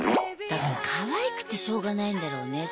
だからかわいくてしょうがないんだろうね。